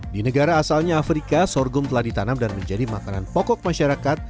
di negara asalnya afrika sorghum telah ditanam dan menjadi makanan pokok masyarakat